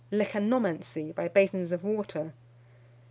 Lecanomancy, by basins of water.